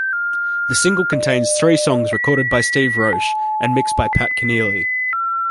The single contains three songs recorded by Steve Roche and mixed by Pat Kenneally.